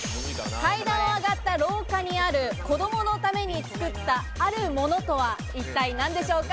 階段を上がった廊下にある子供のために作ったあるものとは、一体何でしょうか？